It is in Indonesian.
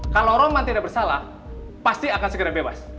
kalau roman tidak bersalah pasti akan segera bebas